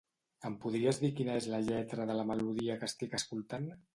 Em podries dir quina és la lletra de la melodia que estic escoltant?